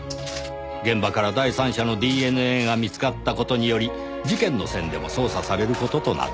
現場から第三者のＤＮＡが見つかった事により事件の線でも捜査される事となった。